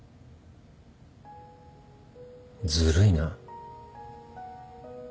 ずるいな。